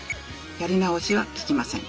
やり直しは利きません。